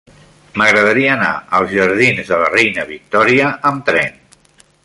M'agradaria anar als jardins de la Reina Victòria amb tren.